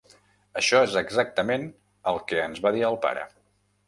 Això és exactament el que ens va dir el pare.